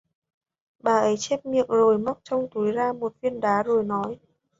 bà ấy chép miệng rồi móc trong túi ra một viên đá rồi nói